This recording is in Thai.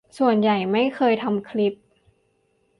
ส่วนใหญ่ไม่เคยทำคลิป